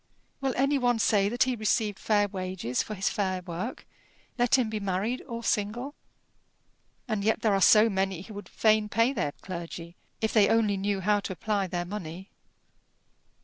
Will any one say that he received fair wages for his fair work, let him be married or single? And yet there are so many who would fain pay their clergy, if they only knew how to apply their money!